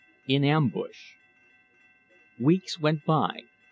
IN AMBUSH Weeks went by.